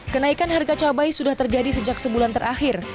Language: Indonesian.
kenaikan harga cabai sudah terjadi sejak sebulan terakhir